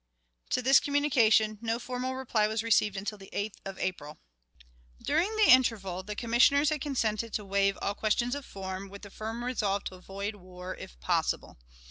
"To this communication, no formal reply was received until the 8th of April. During the interval, the Commissioners had consented to waive all questions of form, with the firm resolve to avoid war, if possible.